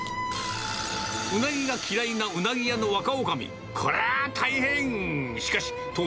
うなぎが嫌いなうなぎ屋の若おかみ、こりゃあ大変。